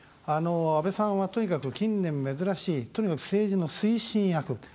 安倍さんはとにかく近年珍しいとにかく政治の推進役。